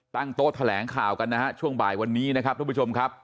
โต๊ะแถลงข่าวกันนะฮะช่วงบ่ายวันนี้นะครับทุกผู้ชมครับ